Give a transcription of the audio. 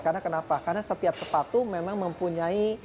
karena kenapa karena setiap sepatu memang mempunyai